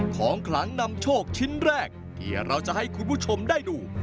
ของขลังนำโชคชิ้นแรกที่เราจะให้คุณผู้ชมได้ดู